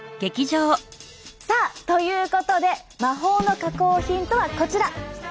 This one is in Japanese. さあということで魔法の加工品とはこちら！